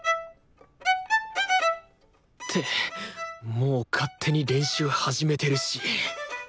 もう勝手に練習始めてるし。